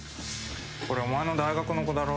これお前の大学の子だろ？